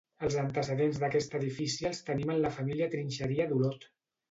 Els antecedents d'aquest edifici els tenim en la família Trinxeria d'Olot.